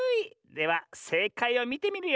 ではせいかいをみてみるよ。